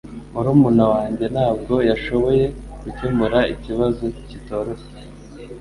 Murumuna wanjye ntabwo yashoboye gukemura ikibazo kitoroshye.